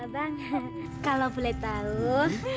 bang kalau boleh tahu